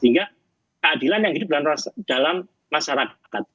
sehingga keadilan yang hidup dalam masyarakat